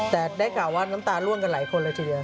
แต่ได้กล่าวว่าน้ำตาล่วงกันหลายคนเลยทีเดียว